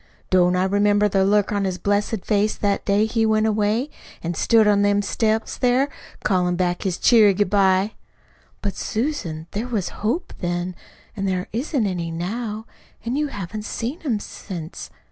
Don't I remember the look on his blessed face that day he went away, an' stood on them steps there, callin' back his cheery good bye?" "But, Susan, there was hope then, an' there isn't any now an' you haven't seen him since.